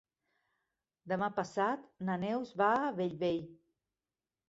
Demà passat na Neus va a Bellvei.